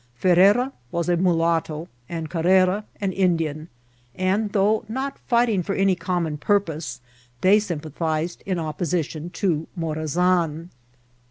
Ferrera was a mulatto, and Carrera an Indian ; and, though not fighting {or any common purpose, they sympathized in opposition to Morazan.